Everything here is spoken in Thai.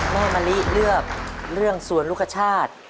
มะลิเลือกเรื่องสวนลูกคชาติ